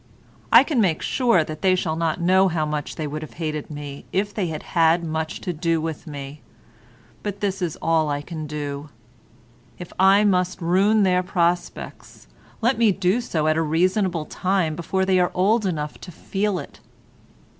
I can make sure that they shall not know how much they would have hated me if they had had much to do with me, but this is all I can do. If I must ruin their prospects, let me do so at a reasonable time before they are old enough to feel it."